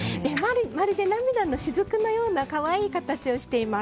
まるで涙のしずくのような可愛い形をしています。